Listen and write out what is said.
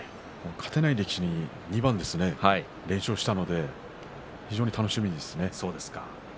勝てない力士に２番連勝したので非常に楽しみですね。